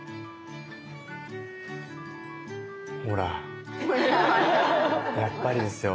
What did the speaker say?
ほらやっぱりですよ。